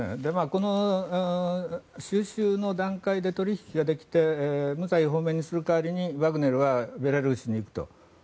この収拾の段階で取引ができて無罪放免にする代わりにワグネルはベラルーシに行くと。